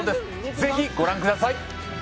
ぜひご覧ください。